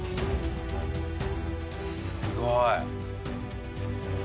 すごい！